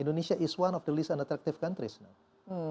indonesia adalah salah satu negara yang paling tidak menarik